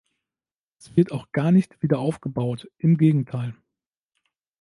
Es wird auch gar nicht wiederaufgebaut, im Gegenteil.